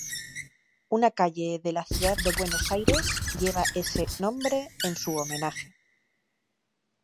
Una calle de la ciudad de Buenos Aires lleva ese nombre en su homenaje.